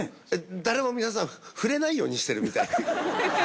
誰も皆さんふれないようにしてるみたい。